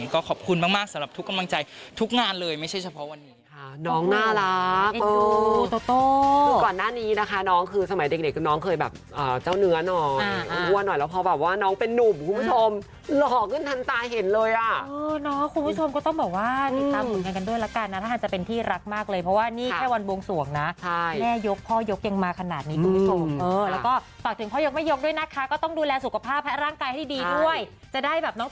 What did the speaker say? ก็ขอบคุณมากสำหรับทุกกำลังใจทุกงานเลยไม่ใช่เฉพาะวันนี้